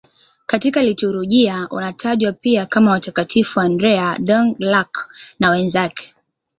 Katika liturujia wanatajwa pia kama Watakatifu Andrea Dũng-Lạc na wenzake.